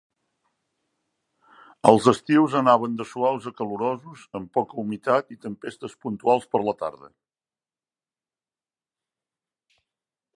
Els estius anaven de suaus a calorosos, amb poca humitat i tempestes puntuals per la tarda.